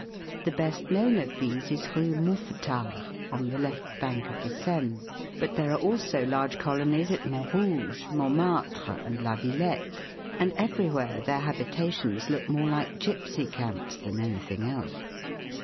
The best known of these is the Rue Mouffetard, on the left bank of the Seine; but there are also large colonies at Montrouge, Montmartre, and La Villette, and everywhere their habita tions look more like gipsy camps than anything else.